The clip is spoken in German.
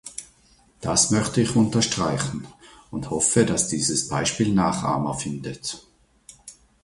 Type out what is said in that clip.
Das möchte ich unterstreichen und hoffe, dass dieses Beispiel Nachahmer findet.